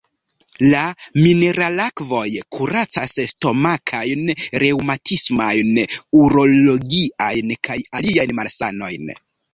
La mineralakvoj kuracas stomakajn, reŭmatismajn, urologiajn kaj aliajn malsanojn.